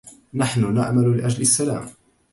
نحن نعمل لأجل السلام.